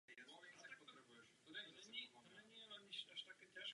Italské dokonce do dvanácti.